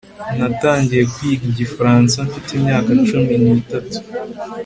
Natangiye kwiga igifaransa mfite imyaka cumi nitatu